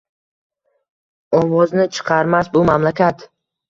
Ovozini chiqarmas bu mamlakat